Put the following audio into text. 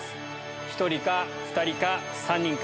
１人か、２人か、３人か。